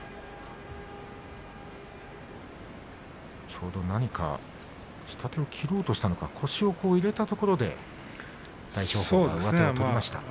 ちょうど、なにか下手を切ろうとしたのか腰を入れたところで大翔鵬が上手を取りました。